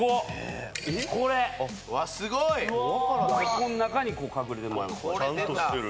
この中に隠れてもらいます。